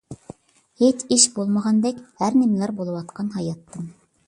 ھېچ ئىش بولمىغاندەك ھەر نىمىلەر بولىۋاتقان ھاياتتىن.